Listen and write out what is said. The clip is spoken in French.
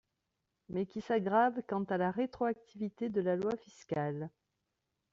mais qui s’aggravent, quant à la rétroactivité de la loi fiscale.